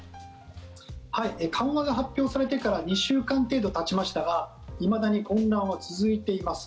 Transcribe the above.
緩和が発表されてから２週間程度たちましたがいまだに混乱は続いています。